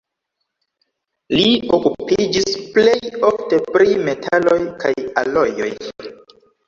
Li okupiĝis plej ofte pri metaloj kaj alojoj.